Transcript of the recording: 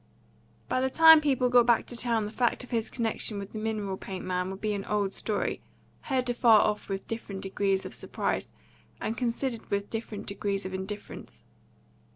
By the time people got back to town the fact of his connection with the mineral paint man would be an old story, heard afar off with different degrees of surprise, and considered with different degrees of indifference.